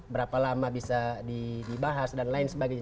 berapa lama bisa dibahas dan lain sebagainya